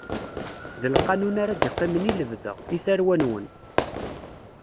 D lqanun ara d-iqqimen i lebda, i tarwa-nwen.